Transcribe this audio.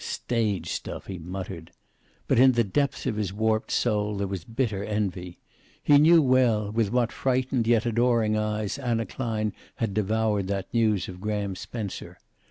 "Stage stuff!" he muttered. But in the depths of his warped soul there was bitter envy. He knew well with what frightened yet adoring eyes Anna Klein had devoured that news of Graham Spencer.